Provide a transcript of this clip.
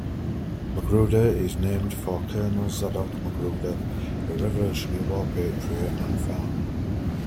Magruder is named for Colonel Zadok Magruder, a Revolutionary War patriot and farmer.